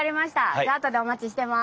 じゃああとでお待ちしてます。